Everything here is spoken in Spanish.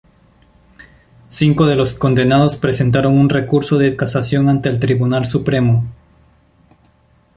Cinco de los condenados presentaron un recurso de casación ante el Tribunal Supremo.